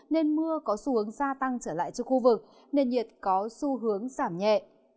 nên mưa có xu hướng gia tăng trở lại cho khu vực nên nhiệt có xu hướng sảm nhẹ